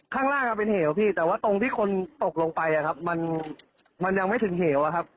ข้างล่างเป็นเหวพี่แต่ว่าตรงที่คนตกลงไปมันยังไม่ถึงเหวอะครับ